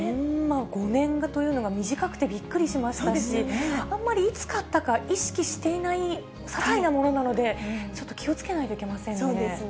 ５年というのが短くてびっくりしましたし、あんまり、いつ買ったか意識していない些細なものなので、ちょっと気をつけそうですね。